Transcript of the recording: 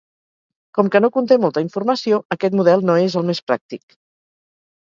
Com que no conté molta informació, aquest model no és el més pràctic.